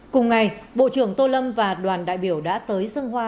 cùng ngày bộ trưởng tô lâm và đoàn đại biểu đã tới dân hoa